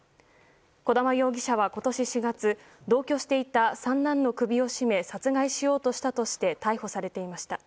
小玉容疑者は今年４月同居していた三男の首を絞め殺害しようとしたとして逮捕されていました。